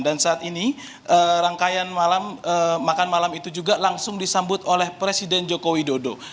dan saat ini rangkaian makan malam itu juga langsung disambut oleh presiden joko widodo